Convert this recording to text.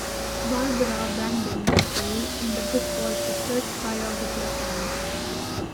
Barbara Branden's essay in the book was the first biography of Rand.